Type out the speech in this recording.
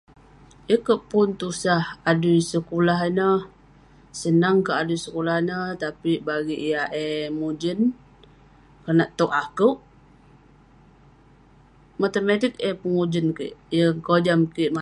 yeng kerk pun tusah adui sekulah ineh..senang kerk adui sekulah ineh, tapik bagik yah eh mujen, konak towk akouk, matematik eh pengujen kik, yeng kojam kik manouk..